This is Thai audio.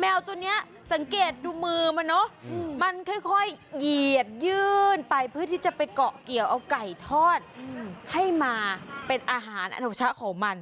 แมวตัวนี้สังเกตดูมือมันเนอะมันค่อยเหยียดยื่นไปเพื่อที่จะไปเกาะเกี่ยวเอาไก่ทอดให้มาเป็นอาหารอโนชะของมัน